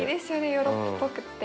ヨーロッパっぽくって。